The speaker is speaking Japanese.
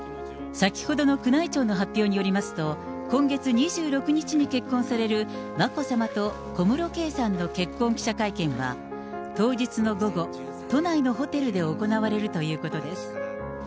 先ほどの宮内庁の発表によりますと、今月２６日に結婚される眞子さまと小室圭さんの結婚記者会見は、当日の午後、都内のホテルで行われるということです。